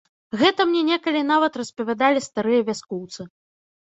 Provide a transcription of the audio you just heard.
Гэта мне некалі нават распавядалі старыя вяскоўцы.